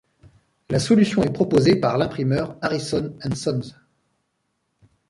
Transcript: La solution est proposée par l'imprimeur Harrison & Sons.